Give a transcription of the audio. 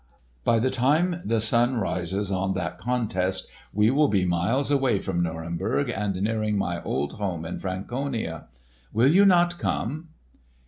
By the time the sun rises on that contest we will be miles away from Nuremberg and nearing my old home in Franconia. Will you not come?"